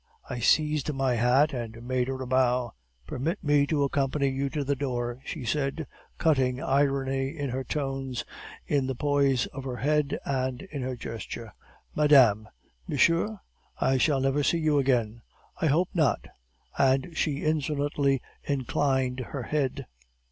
"I seized my hat and made her a bow. "'Permit me to accompany you to the door,' she said, cutting irony in her tones, in the poise of her head, and in her gesture. "'Madame ' "'Monsieur?' "'I shall never see you again.' "'I hope not,' and she insolently inclined her head.